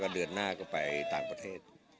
เดือนหน้าก็ไปต่างประเทศ